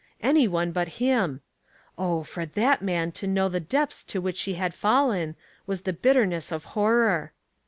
Anyone but him ! Oh, for that man to know the depths to which she had fallen, was the bitterness of horror.